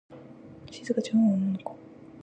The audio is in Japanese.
しずかちゃんは女の子。